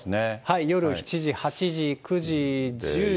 夜７時、８時、９時、１０時。